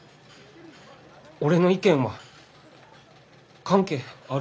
俺の意見は関係ある？